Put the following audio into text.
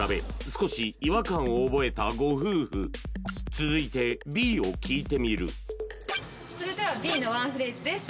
続いてＢを聴いてみるそれではＢのワンフレーズです